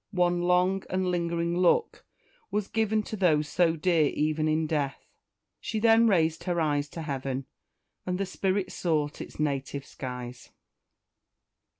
One long and lingering look was given to those so dear even in death. She then raised her eyes to heaven, and the spirit sought its native skies!